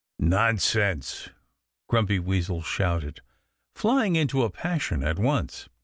"Nonsense!" Grumpy Weasel shouted, flying into a passion at once.